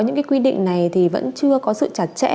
những cái quy định này thì vẫn chưa có sự chặt chẽ